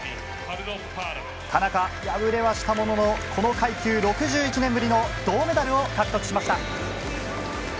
田中、敗れはしたもののこの階級、６１年ぶりの銅メダルを獲得しました。